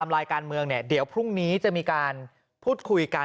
ไลน์การเมืองเนี่ยเดี๋ยวพรุ่งนี้จะมีการพูดคุยกัน